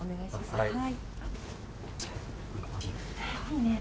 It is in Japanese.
はい。